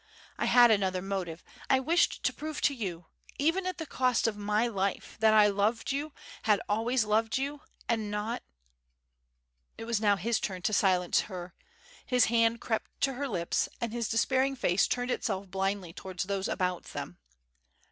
"I had another motive. I wished to prove to you, even at the cost of my life, that I loved you, had always loved you, and not " It was now his turn to silence her. His hand crept to her lips, and his despairing face turned itself blindly towards those about them.